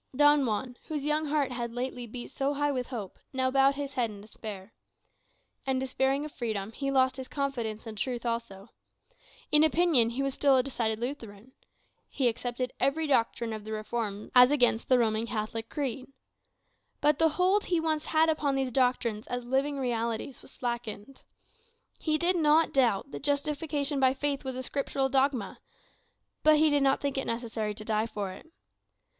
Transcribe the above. Don Juan, whose young heart had lately beat so high with hope, now bowed his head in despair. And despairing of freedom, he lost his confidence in truth also. In opinion he was still a decided Lutheran. He accepted every doctrine of the Reformed as against the Roman Catholic creed. But the hold he once had upon these doctrines as living realities was slackened. He did not doubt that justification by faith was a scriptural dogma, but he did not think it necessary to die for it.